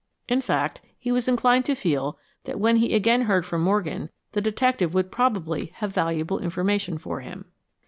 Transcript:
In fact, he was inclined to feel that when he again heard from Morgan, the detective would probably have valuable information for him.